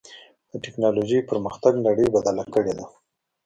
د ټکنالوجۍ پرمختګ نړۍ بدلې کړې ده.